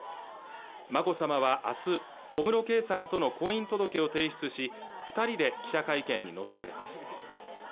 眞子さまはあす小室圭さんとの婚姻届を提出し二人で記者会見に臨まれます